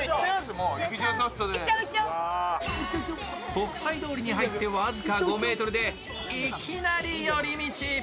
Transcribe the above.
国際通りに入って僅か５ｍでいきなり寄り道。